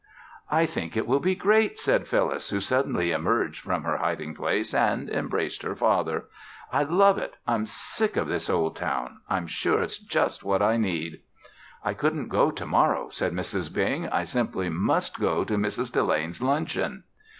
"I think it will be great," said Phyllis, who suddenly emerged from her hiding place and embraced her father. "I'd love it! I'm sick of this old town. I'm sure it's just what I need." "I couldn't go to morrow," said Mrs. Bing. "I simply must go to Mrs. Delane's luncheon."